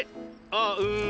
あうーん。